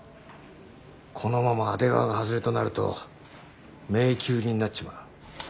このまま阿出川が外れとなると迷宮入りになっちまう。